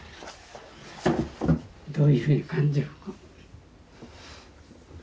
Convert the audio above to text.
どういうふうに感じるか。